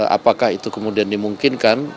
apakah itu kemudian dimungkinkan